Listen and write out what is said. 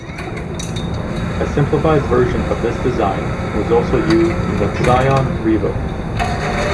A simplified version of this design was also used in the Psion Revo.